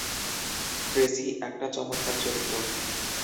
Tracey একটা চমৎকার চরিত্র।